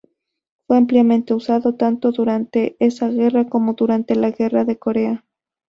Fue ampliamente usado tanto durante esa guerra como durante la Guerra de Corea.